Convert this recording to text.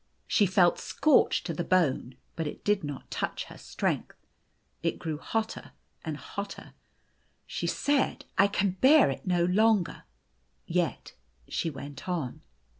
She felt scorched to the bone, but it did not touch her strength. It grew hotter and hotter. She said, " I can bear it no longer." Yet she went on.